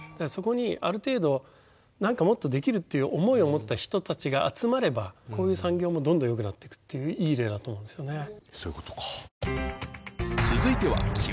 そこにある程度何かもっとできるっていう思いを持った人たちが集まればこういう産業もどんどんよくなっていくっていういい例だと思うんですよね